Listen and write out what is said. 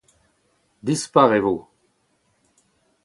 Dispar e vo